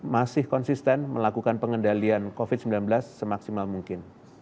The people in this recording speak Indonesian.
masih konsisten melakukan pengendalian covid sembilan belas semaksimal mungkin